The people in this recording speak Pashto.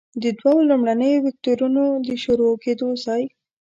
د دوو لومړنیو وکتورونو د شروع کیدو ځای.